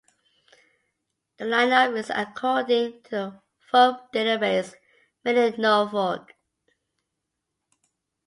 The line-up is according to the folk database "Mainly Norfolk".